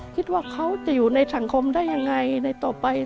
คิดว่าเขาจะอยู่ในสังคมได้ยังไงในต่อไป